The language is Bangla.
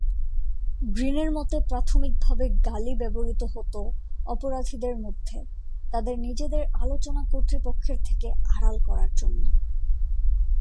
গ্রিনের মতে প্রাথমিকভাবে গালি ব্যবহৃত হতো অপরাধীদের মধ্যে, তাদের নিজেদের আলোচনা কর্তৃপক্ষের থেকে আড়াল করার জন্য।